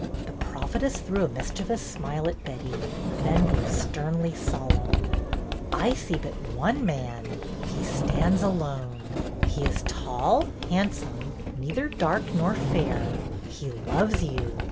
The prophetess threw a mischievous smile at Betty, then grew sternly solemn. THE GYPSIES 291 "I see but one man. He stands alone. He is tall, handsome, neither dark nor fair. He loves you.